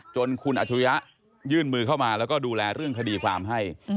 จนคุณอัจฉริยะยื่นมือเข้ามาแล้วก็ดูแลเรื่องคดีความให้